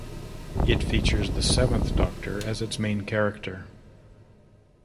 It features the Seventh Doctor as its main character.